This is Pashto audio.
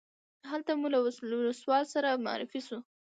هلته مو له ولسوال سره معرفي شوو.